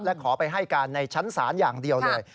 และขอไปให้การในชั้นศาลอย่างเดียวเลย